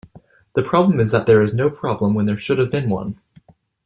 The problem is that there is no problem when there should have been one.